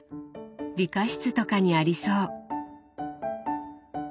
理科室とかにありそう。